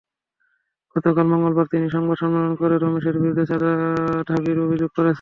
গতকাল মঙ্গলবার তিনি সংবাদ সম্মেলন করে রমেশের বিরুদ্ধে চাঁদা দাবির অভিযোগ করেছেন।